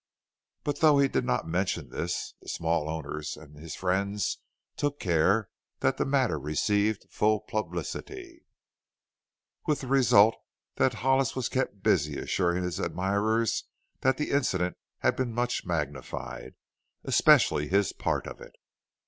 But though he did not mention this, the small owners and his friends took care that the matter received full publicity, with the result that Hollis was kept busy assuring his admirers that the incident had been much magnified especially his part of it.